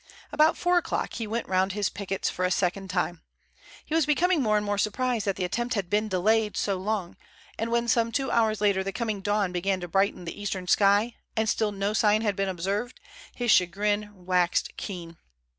About four o'clock he went round his pickets for the second time. He was becoming more and more surprised that the attempt had been delayed so long, and when some two hours later the coming dawn began to brighten the eastern sky and still no sign had been observed, his chagrin waxed keen.